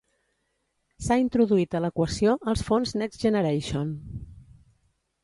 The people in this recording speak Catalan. S'ha introduït a l'equació els fons Next Generation.